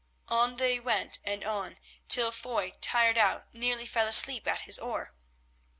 On they went and on, till Foy, tired out, nearly fell asleep at his oar.